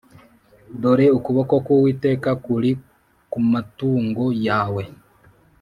dore ukuboko kuwiteka kuri ku matungo yawe